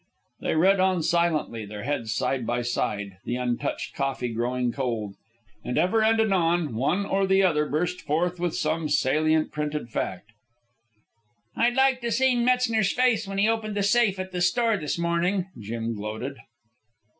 They read on silently, their heads side by side, the untouched coffee growing cold; and ever and anon one or the other burst forth with some salient printed fact. "I'd like to seen Metzner's face when he opened the safe at the store this mornin'," Jim gloated.